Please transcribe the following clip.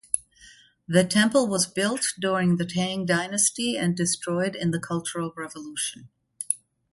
The temple was built during the Tang Dynasty and destroyed in the Cultural Revolution.